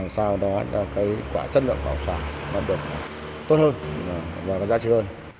sau đó cái quả chất lượng hóa sản nó được tốt hơn và có giá trị hơn